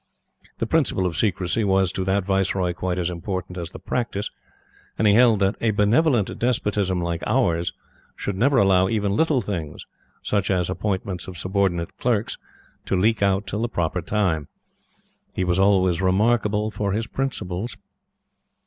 The principle of secrecy was to that Viceroy quite as important as the practice, and he held that a benevolent despotism like Ours should never allow even little things, such as appointments of subordinate clerks, to leak out till the proper time. He was always remarkable for his principles.